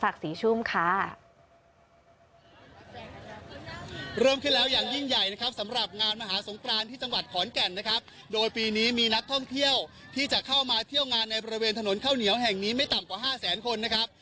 โดยปีนี้มีนักท่องเที่ยวที่จะเข้ามาเที่ยวงานในประเวณถนนข้าวเหนียวแห่งนี้ไม่ต่ำกว่า๕แสนคนนะครับ